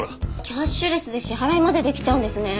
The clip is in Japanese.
キャッシュレスで支払いまでできちゃうんですね。